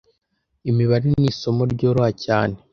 Imibare ni isomo ryoroha cyane